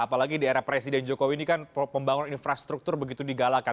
apalagi di era presiden jokowi ini kan pembangunan infrastruktur begitu digalakan